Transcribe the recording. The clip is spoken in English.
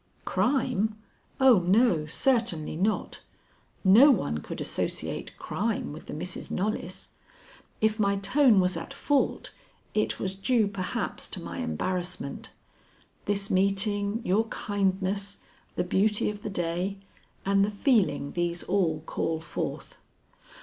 "Crime? Oh, no, certainly not. No one could associate crime with the Misses Knollys. If my tone was at fault, it was due perhaps to my embarrassment this meeting, your kindness, the beauty of the day, and the feeling these all call forth.